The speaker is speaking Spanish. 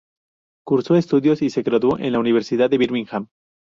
Cursó estudios y se graduó en la Universidad de Birmingham.